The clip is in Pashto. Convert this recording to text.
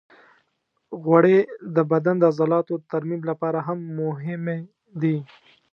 غوړې د بدن د عضلاتو د ترمیم لپاره هم مهمې دي.